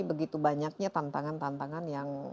begitu banyaknya tantangan tantangan yang